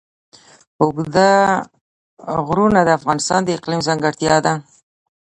اوږده غرونه د افغانستان د اقلیم ځانګړتیا ده.